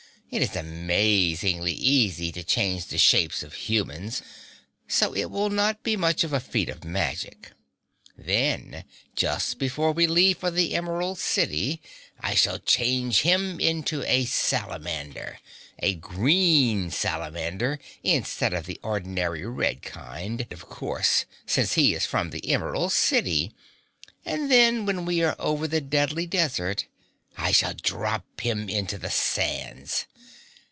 It is amazingly easy to change the shapes of humans, so it will not be much of a feat of magic. Then, just before we leave for the Emerald City, I shall change him into a salamander a green salamander instead of the ordinary red kind, of course, since he is from the Emerald City and then when we are over the Deadly Desert I shall drop him into the sands.